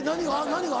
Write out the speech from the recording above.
何が？